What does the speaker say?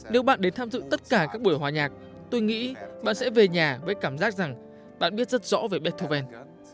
nếu bạn đến tham dự tất cả các buổi hòa nhạc tôi nghĩ bạn sẽ về nhà với cảm giác rằng bạn biết rất rõ về beethoven